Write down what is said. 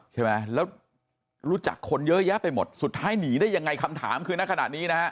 ใช่ไหมแล้วรู้จักคนเยอะแยะไปหมดสุดท้ายหนีได้ยังไงคำถามคือในขณะนี้นะฮะ